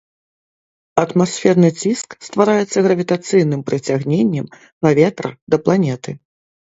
Атмасферны ціск ствараецца гравітацыйным прыцягненнем паветра да планеты.